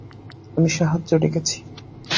আমি সাহায্য ডেকেছি।